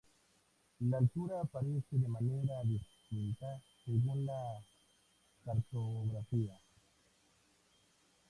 La altura aparece de manera distinta según la cartografía.